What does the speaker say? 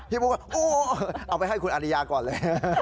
พี่บุ๊กก็โอ้โฮเอาไว้ให้คุณอริยาก่อนเลย